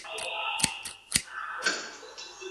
ستاینلیکونه د زده کوونکو انګیزه ساتي.